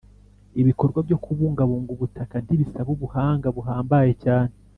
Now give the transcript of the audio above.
Ibikorwa byo kubungabunga ubutaka ntibisaba ubuhanga buhambaye cyane